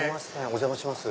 お邪魔します。